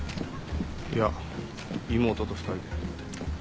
いや妹と２人で。